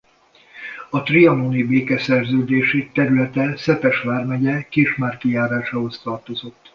A trianoni békeszerződésig területe Szepes vármegye Késmárki járásához tartozott.